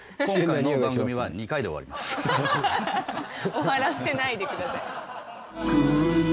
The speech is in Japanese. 終わらせないで下さい。